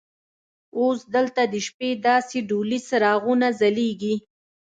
اوس دلته د شپې داسې ډولي څراغونه ځلیږي.